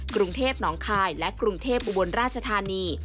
กรุงเทพหนองคายและกรุงเทพอุบลราชธานี